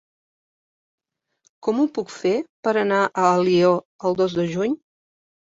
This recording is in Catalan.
Com ho puc fer per anar a Alió el dos de juny?